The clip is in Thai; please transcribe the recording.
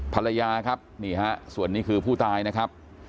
ภรรยาครับนี่ฮะส่วนนี้คือผู้ตายนะครับ